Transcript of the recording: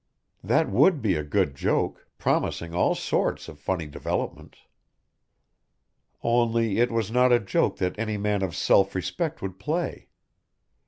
That would be a good joke, promising all sorts of funny developments. Only it was not a joke that any man of self respect would play.